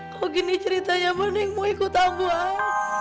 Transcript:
kalo gini ceritanya mending mau ikut ambuu abah